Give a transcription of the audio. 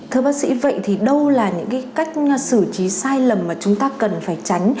thưa bác sĩ vậy thì đâu là những cái cách xử trí sai lầm mà chúng ta cần phải tránh